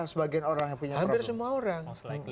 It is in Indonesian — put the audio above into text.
sebagian orang yang punya hampir semua orang